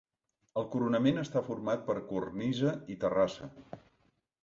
El coronament està format per cornisa i terrassa.